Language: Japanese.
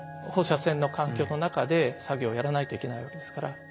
放射線の環境の中で作業をやらないといけないわけですから。